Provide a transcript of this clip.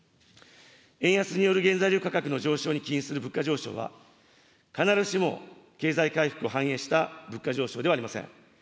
円安による原材料価格の上昇に起因する物価上昇は、必ずしも経済回復を反映した物価上昇ではありません。